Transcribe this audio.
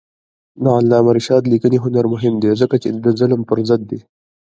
د علامه رشاد لیکنی هنر مهم دی ځکه چې ظلم پر ضد دی.